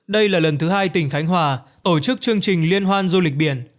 đây là lần thứ hai tỉnh khánh hòa tổ chức chương trình liên hoan du lịch biển